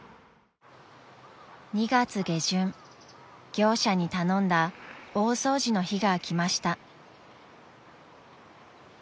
［業者に頼んだ大掃除の日が来ました］